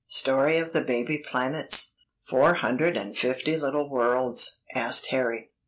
STORY OF THE BABY PLANETS. "Four hundred and fifty little worlds?" asked Harry.